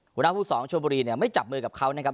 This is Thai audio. หัวหน้าผู้สอนชวนบุรีเนี่ยไม่จับมือกับเขานะครับ